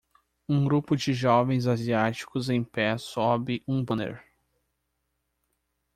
Um grupo de jovens asiáticos em pé sob um banner.